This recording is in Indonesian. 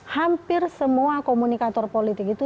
hampir semua komunikator politik itu